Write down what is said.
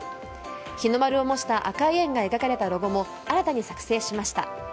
日の丸を模した赤い円が描かれたロゴも新たに作成しました。